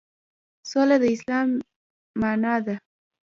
سوله د اسلام معنی ده